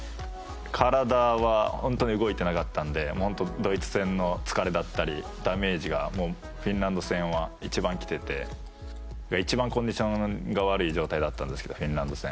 体は本当に動いてなかったんでドイツ戦の疲れだったりダメージがフィンランド戦は一番来てて一番コンディションが悪い状態だったんですけどフィンランド戦。